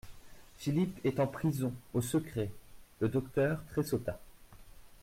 Philippe est en prison, au secret … Le docteur tressauta.